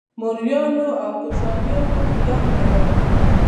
موریانو او کوشانیانو فیلان لرل